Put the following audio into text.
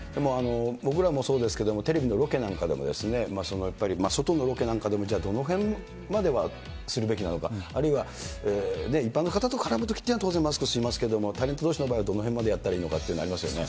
僕らもそうですけれども、テレビのロケなんかでも、やっぱり外のロケなんかでも、じゃあどのへんまではするべきなのか、あるいは一般の方と絡むときっていうのはもちろん着けますけれども、タレントどうしの場合は、どのへんまでやったらいいとかってありますよね。